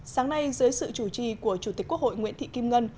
sáng nay dưới sự chủ trì của chủ tịch quốc hội nguyễn thị kim ngân